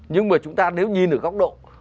nhưng mà chúng ta nếu nhìn ở góc độ